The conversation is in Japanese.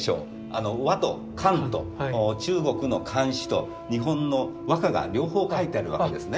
倭と漢と中国の漢詩と日本の和歌が両方書いてあるわけですね。